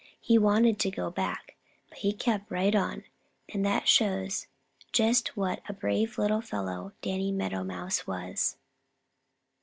He wanted to go back, but he kept right on, and that shows just what a brave little fellow Danny Meadow Mouse was.